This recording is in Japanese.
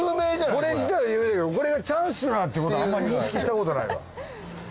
これ自体は有名だけどこれがチャンスラーってことはあんまり認識したことないわ。